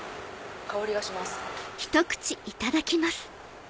香りがします。